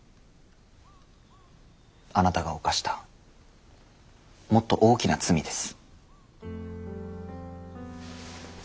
あなたが犯したもっと大きな罪です。